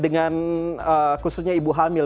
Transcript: dengan khususnya ibu hamil